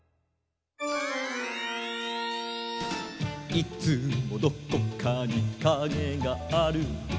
「いつもどこかにカゲがある」